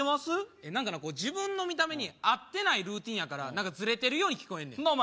何かな自分の見た目に合ってないルーティンやから何かずれてるように聞こえんねん